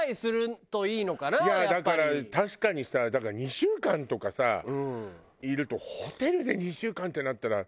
いやだから確かにさ２週間とかさいるとホテルで２週間ってなったら。